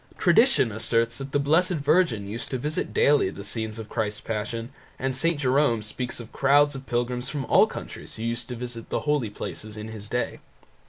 Tradition asserts that the Blessed Virgin used to visit daily the scenes of Christ's Passion and St. Jerome speaks of the crowds of pilgrims from all countries who used to visit the holy places in his day.